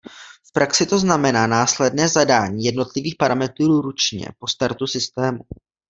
V praxi to znamená následné zadávání jednotlivých parametrů ručně po startu systému.